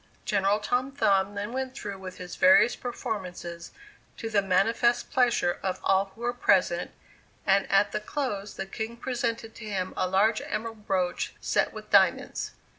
General Tom Thumb then went through with his various performances to the manifest pleasure of all who were present, and at the close the King presented to him a large emerald brooch set with diamonds.